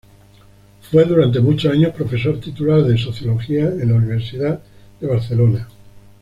Fue durante muchos años Profesor titular de Sociología en la Universidad de Barcelona.